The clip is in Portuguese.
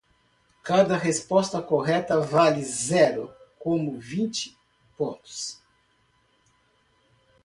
Cada resposta correta vale zero como vinte pontos.